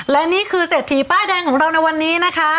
และนี่คือเศรษฐีป้ายแดงของเราในวันนี้นะคะ